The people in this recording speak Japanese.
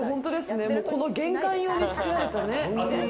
この玄関用に作られた。